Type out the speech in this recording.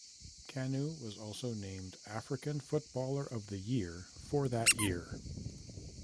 Kanu was also named African Footballer of the Year for that year.